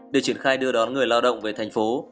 để triển khai đưa đón người lao động về thành phố